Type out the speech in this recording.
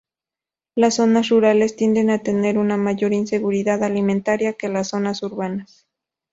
Las zonas rurales tienden a tener una mayor inseguridad alimentaria que las zonas urbanas.